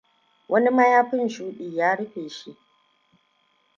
Wani mayafin shuɗi ya rufe shi.